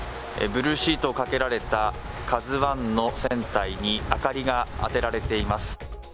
ブルーシートをかけられた「ＫＡＺＵⅠ」の船体に明かりが当てられています。